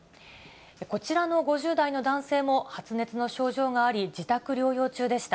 こちらの５０代の男性も発熱の症状があり、自宅療養中でした。